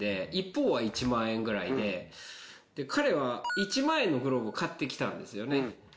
彼は１万円のグローブを買ってきたんですよね。